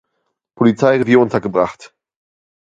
Polizeirevier untergebracht.